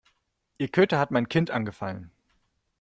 Ihr Köter hat mein Kind angefallen.